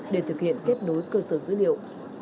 để thực hiện kết nối cơ sở dữ liệu